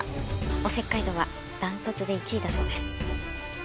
お節介度は断トツで１位だそうです。